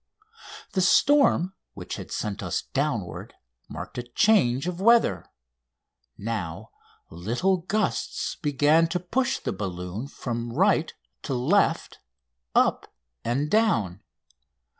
The storm which had sent us downward marked a change of weather. Now little gusts began to push the balloon from right to left, up and down.